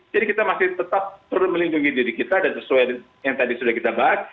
jadi kita masih tetap perlu melindungi diri kita dan sesuai yang tadi sudah kita bahas